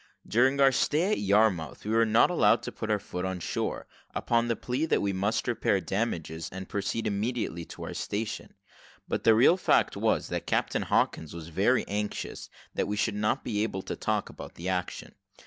During our stay at Yarmouth, we were not allowed to put our foot on shore, upon the plea that we must repair damages, and proceed immediately to our station; but the real fact was, that Captain Hawkins was very anxious that we should not be able to talk about the action.